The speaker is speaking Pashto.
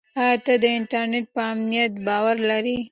آیا ته د انټرنیټ په امنیت باور لرې؟